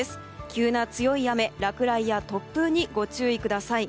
急な強い雨、落雷や突風にご注意ください。